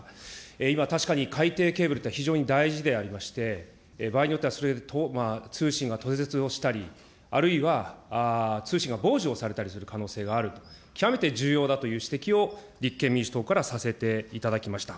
今、確かに海底ケーブルって非常に大事でありまして、場合によっては通信が途絶をしたり、あるいは通信が傍受をされたりする可能性がある、極めて重要だという指摘を立憲民主党からさせていただきました。